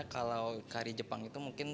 kalau kari jepang itu mungkin